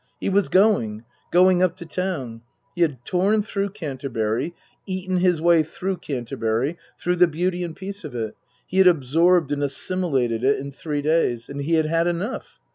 He was going. Going up to town. He had torn through Canterbury, eaten his way through Canterbury, through the beauty and peace of it ; he had absorbed and assimi lated it in three days. And he had had enough.